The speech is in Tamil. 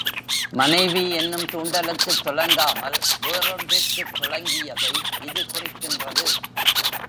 மனைவி என்னும் தூண்டலுக்குத் துலங்காமல், வேறொன்றிற்குத் துலங்கியதை இது குறிக் கின்றது.